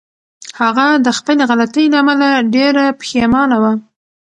هغه د خپلې غلطۍ له امله ډېره پښېمانه وه.